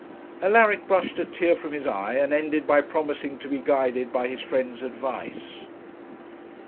Alaric brushed a tear from his eye, and ended by promising to be guided by his friend's advice.